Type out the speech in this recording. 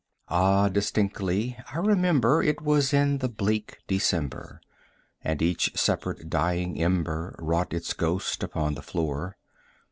Ah, distinctly I remember it was in the bleak December, And each separate dying ember wrought its ghost upon the floor.